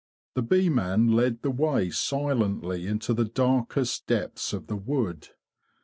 The bee man led the way silently into the darkest depths of the wood.